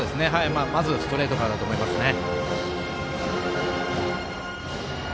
まずストレートからだと思いますね。